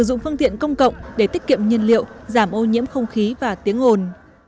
sử dụng phương tiện công cộng để tiết kiệm nhiên liệu giảm ô nhiễm không khí và tiếng hồn